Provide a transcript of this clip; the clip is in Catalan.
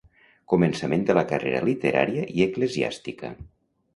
Començament de la carrera literària i eclesiàstica.